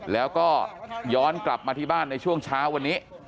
แล้วก็ย้อนกลับมาที่บ้านในช่วงเช้าวันนี้